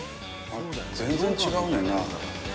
全然違うねんなあ。